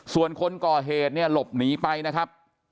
ส่วนคนก่อเหตุเนี่ยหลบหนีไปนะครับ